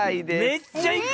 めっちゃいく！